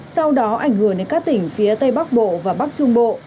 sau đó ảnh hưởng đến các tỉnh phía tây bắc bộ và bắc trung bộ